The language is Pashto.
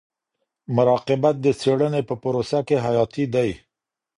مراقبت د څيړني په پروسه کي حیاتي دی.